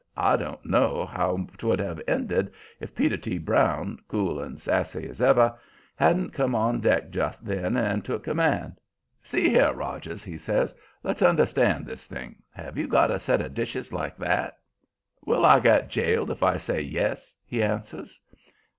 I don't know how 'twould have ended if Peter T. Brown, cool and sassy as ever, hadn't come on deck just then and took command. "See here, Rogers," he says, "let's understand this thing. Have you got a set of dishes like that?" Adoniram looked at him. "Will I get jailed if I say yes?" he answers.